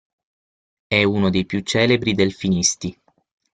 È uno dei più celebri delfinisti.